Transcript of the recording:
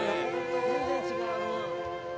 全然違う。